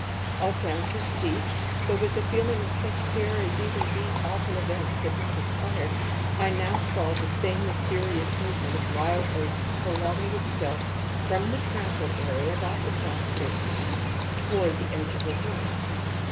All sounds had ceased, but, with a feeling of such terror as even these awful events had not inspired, I now saw the same mysterious movement of the wild oats prolonging itself from the trampled area about the prostrate man toward the edge of a wood.